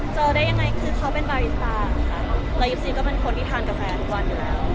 ได้ยังไงคือเขาเป็นบายิสตาร์ค่ะรายิฟซีก็เป็นคนที่ทานกาแฟทุกวันอยู่แล้ว